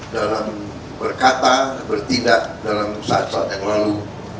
dalam berkata bertindak dalam saat saat yang lalu